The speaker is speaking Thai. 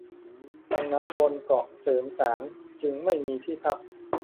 ดังนั้นบนเกาะแสมสารจึงไม่มีที่พัก